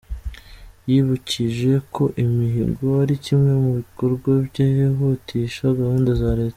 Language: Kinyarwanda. Yibukije ko imihigo ari kimwe mu bikorwa byihutisha gahunda za Leta.